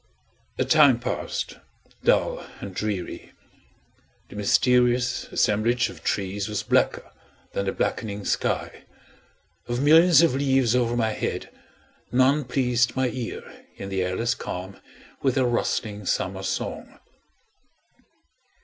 A time passed, dull and dreary. The mysterious assemblage of trees was blacker than the blackening sky. Of millions of leaves over my head, none pleased my ear, in the airless calm, with their rustling summer song.